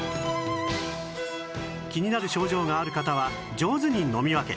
気になる症状がある方は上手に飲み分け